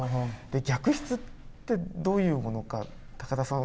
逆筆ってどういうものか高田さん